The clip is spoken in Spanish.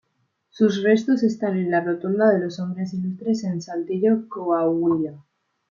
Sus restos están en la Rotonda de los Hombres ilustres en Saltillo Coahuila.